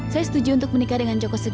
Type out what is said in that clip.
saya setuju untuk menikah dengan joko sekjen